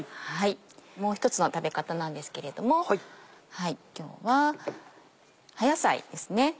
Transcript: もう１つの食べ方なんですけれども今日は葉野菜ですね。